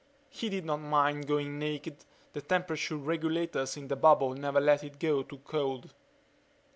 He did not mind going naked the temperature regulators in the bubble never let it get too cold.